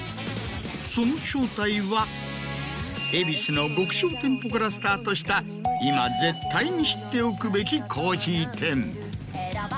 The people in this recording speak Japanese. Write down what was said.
その正体は恵比寿の極小店舗からスタートした今絶対に知っておくべきコーヒー店。